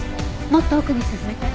もっと奥に進めて。